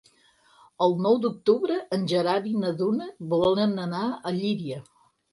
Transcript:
El nou d'octubre en Gerard i na Duna volen anar a Llíria.